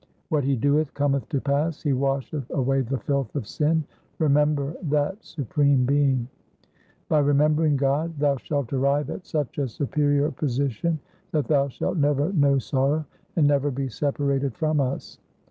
What He doeth cometh to pass, He washeth away the filth of sin ; remember that Supreme Being. 1 By remembering God thou shalt arrive at such a superior position that thou shalt never know 1 Maru. 330 THE SIKH RELIGION sorrow and never be separated from us.'